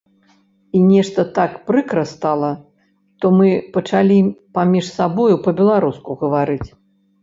І нешта так прыкра стала, то мы пачалі паміж сабою па-беларуску гаварыць.